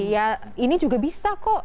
ya ini juga bisa kok